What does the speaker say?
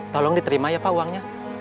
tolong diterima ya pak uangnya